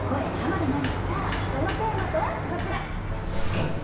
さあそのテーマとはこちら！